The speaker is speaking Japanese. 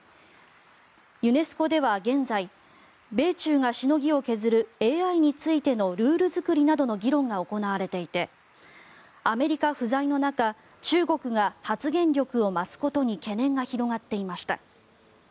ユネスコでは現在、米中がしのぎを削るＡＩについてのルール作りなどの議論が行われていてアメリカ不在の中中国が発言力を増すことに懸念が広がっていました。